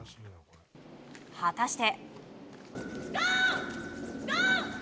果たして。